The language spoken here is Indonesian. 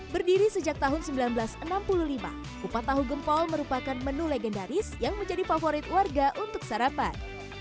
berdiri sejak tahun seribu sembilan ratus enam puluh lima kupat tahu gempol merupakan menu legendaris yang menjadi favorit warga untuk sarapan